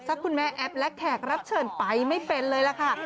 คุณแม่แอปและแขกรับเชิญไปไม่เป็นเลยล่ะค่ะ